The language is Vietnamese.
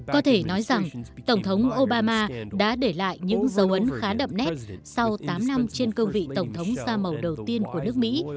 có thể nói rằng tổng thống obama đã để lại những dấu ấn khá đậm nét sau tám năm trên cương vị tổng thống da màu đầu tiên của nước mỹ